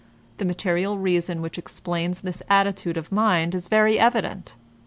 The material reason which explains this attitude of mind is very evident.